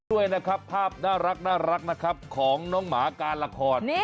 ด้วยนะครับภาพน่ารักนะครับของน้องหมาการละคร